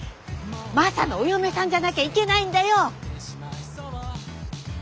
マサのお嫁さんじゃなきゃいけないんだよ！